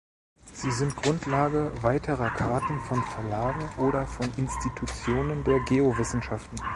Sie sind Grundlage weiterer Karten von Verlagen oder von Institutionen der Geowissenschaften.